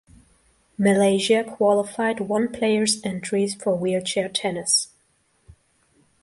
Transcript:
Malaysia qualified one players entries for wheelchair tennis.